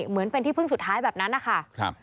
เหมือนเป็นที่พึ่งสุดท้ายแบบนั้นนะคะ